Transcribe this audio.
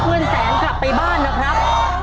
เงินแสนกลับไปบ้านนะครับ